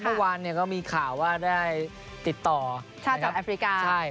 เมื่อวานก็มีข่าวว่าได้ติดต่อจากแอฟริกาใช่